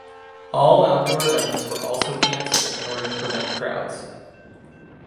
All outdoor events were also cancelled in order to prevent crowds.